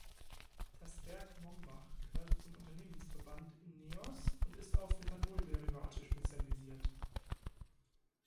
Das Werk Mombach gehört zum Unternehmensverbund Ineos und ist auf Methanolderivate spezialisiert.